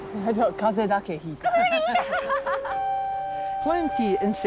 風邪だけひいた。